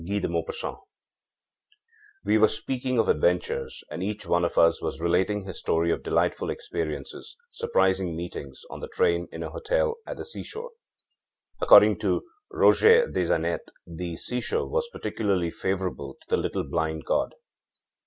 â THE UNKNOWN We were speaking of adventures, and each one of us was relating his story of delightful experiences, surprising meetings, on the train, in a hotel, at the seashore. According to Roger des Annettes, the seashore was particularly favorable to the little blind god.